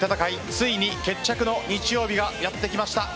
ついに決着の日曜日がやってきました。